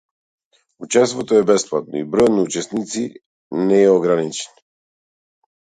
Учеството е бесплатно и бројот на учесници не е ограничен.